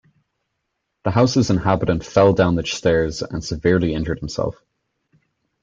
The house's inhabitant fell down the stairs and severely injured himself.